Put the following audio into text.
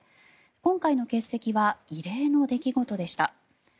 今回の欠席は異例の出来事でした。